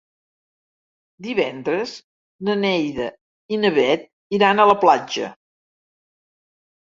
Divendres na Neida i na Bet iran a la platja.